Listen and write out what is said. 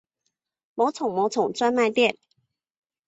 魔宠魔宠专卖店